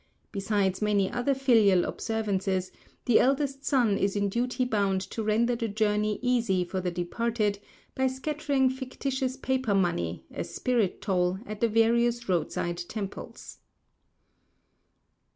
Besides many other filial observances, the eldest son is in duty bound to render the journey easy for the departed by scattering fictitious paper money, as spirit toll, at the various roadside temples.